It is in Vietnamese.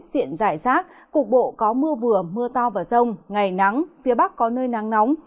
diện giải rác cục bộ có mưa vừa mưa to và rông ngày nắng phía bắc có nơi nắng nóng